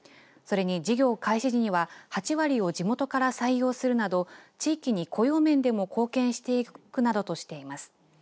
それに、事業開始時には８割を地元から採用するなど地域に雇用面でも貢献していくなどとしています。